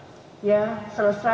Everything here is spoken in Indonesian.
bantuan itu bisa harus selesai